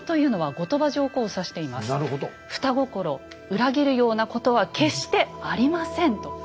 裏切るようなことは決してありませんと。